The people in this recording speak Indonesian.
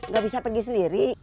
gak bisa pergi sendiri